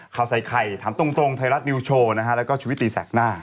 ข่าวใส่ไข่ถามตรงไทยรัฐนิวโชว์นะฮะแล้วก็ชีวิตตีแสกหน้า